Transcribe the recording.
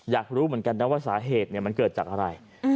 อยากรู้เหมือนกันนะว่าสาเหตุมันเกิดจากอะไร